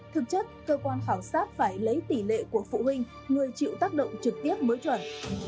thực chất cơ quan khảo sát phải lấy tỷ lệ của phụ huynh người chịu tác động trực tiếp mới chuẩn